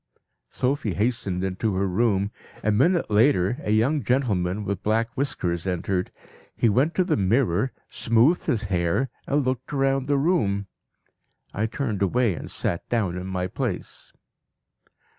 "Sophie hastened into her room. A minute later a young gentleman with black whiskers entered. He went to the mirror, smoothed his hair, and looked round the room. I turned away and sat down in my place.